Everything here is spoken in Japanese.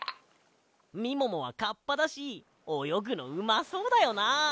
みももはカッパだしおよぐのうまそうだよな！